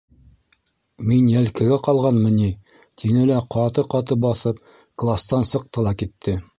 Мин йәлкегә ҡалғанмы ни?! -тине лә, ҡаты-ҡаты баҫып кластан сыҡты ла китте.